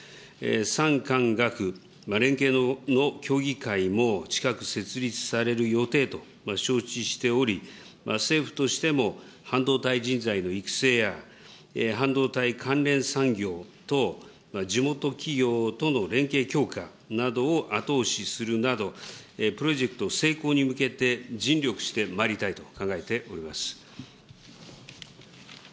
産官学連携の協議会も近く設立される予定と承知しており、政府としても半導体人材の育成や、半導体関連産業等、地元企業との連携強化などを後押しするなど、プロジェクト成功に向けて尽力してまいりたいと考えております。